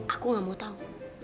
aku gak mau tahu